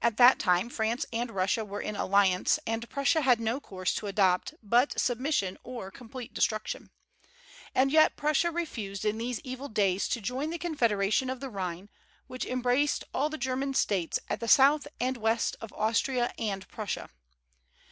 At that time France and Russia were in alliance, and Prussia had no course to adopt but submission or complete destruction; and yet Prussia refused in these evil days to join the Confederation of the Rhine, which embraced all the German States at the south and west of Austria and Prussia.